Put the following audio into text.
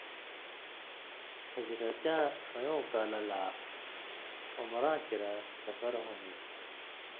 ہِجرتیِاں ݜویؤں کالہ لا عُمراں کِریا سفر ہُون٘دوۡ۔